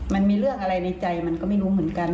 มันมีเรื่องอะไรในใจมันก็ไม่รู้เหมือนกัน